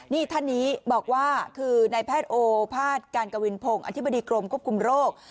นี่ท่านนี้บอกว่าคือนายแพทย์โอภาษย์การกวินพงศ์อธิบดีกรมควบคุมโรค